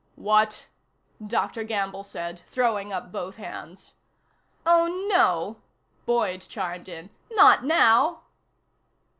"What?" Dr. Gamble said, throwing up both hands. "Oh, no," Boyd chimed in. "Not now."